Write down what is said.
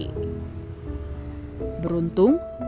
beruntung rosina memiliki dua anak lain yang begitu bertanggung jawab